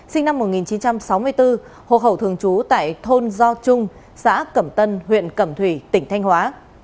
sinh năm một nghìn chín trăm sáu mươi bốn hộ khẩu thường trú tại thôn do trung xã cẩm tân huyện cẩm thủy tỉnh thanh hóa